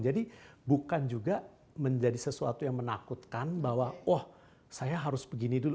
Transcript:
jadi bukan juga menjadi sesuatu yang menakutkan bahwa oh saya harus begini dulu